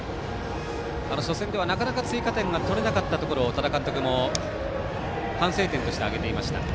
初戦では、なかなか追加点が取れなかったところを多田監督も反省点として挙げていました。